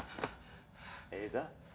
ええか？